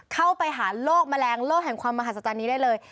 เข้าไปหาโลกแมลงโลกแห่งความมหัศจรรย์นี้ได้เลย